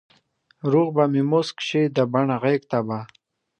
روح به مې موسک شي د بڼ غیږته به ،